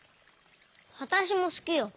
わたしもすきよ。